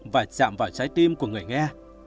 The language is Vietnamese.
và chạm vào trái tim của người nghe